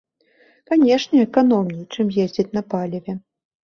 Канешне, эканомней, чым ездзіць на паліве.